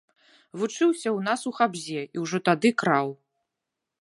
Вучыўся ў нас у хабзе, і ўжо тады краў.